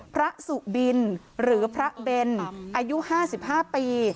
พระสุบินหรือพระเบนอายุ๕๕ปี